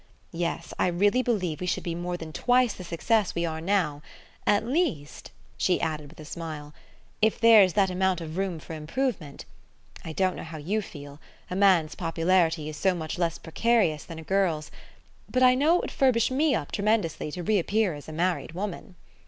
Yes, I really believe we should be more than twice the success we are now; at least," she added with a smile, "if there's that amount of room for improvement. I don't know how you feel; a man's popularity is so much less precarious than a girl's but I know it would furbish me up tremendously to reappear as a married woman."